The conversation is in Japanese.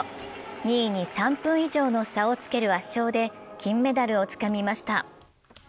２位に３分以上の差をつける圧勝で金メダルをつかみました。